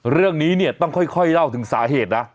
เรื่องนี้เนี่ยต้องค่อยเล่าถึงสาเหตุนะ